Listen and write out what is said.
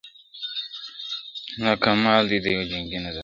o دا کمال دي د یوه جنګي نظر دی,